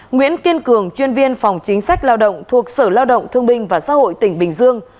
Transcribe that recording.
nguyễn kiên cường chuyên viên phòng chính sách lao động thuộc sở lao động thương binh và xã hội tỉnh bình dương